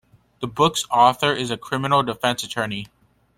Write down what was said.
The book's author is a criminal defense attorney.